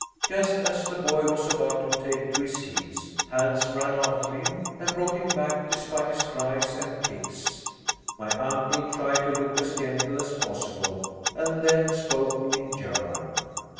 Just as the boy was about to take to his heels, Hans ran after him, and brought him back, despite his cries and kicks. My uncle tried to look as gentle as possible, and then spoke in German.